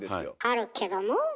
あるけども？